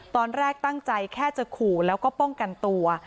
ตอนแรกตั้งใจแค่จะขู่แล้วก็ป้องกันตัว